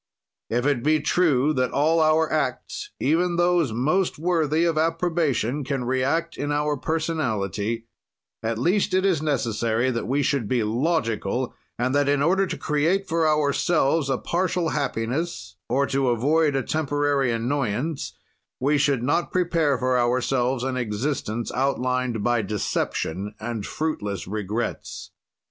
"If it be true that all our acts, even those most worthy of approbation, can react in our personality, at least it is necessary that we should be logical and that, in order to create for ourselves a partial happiness or to avoid a temporary annoyance, we should not prepare for ourselves an existence, outlined by deception and fruitless regrets.